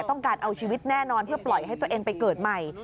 ต้องการเอาชีวิตแน่นอนเพื่อปล่อยให้ตัวเองไปเกิดใหม่